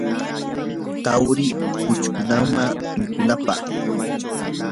tarwi puquykannam mikunapaq.